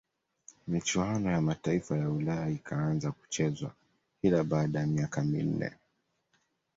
michuano ya mataifa ya ulaya ikaanza kuchezwa kila baada ya miaka minne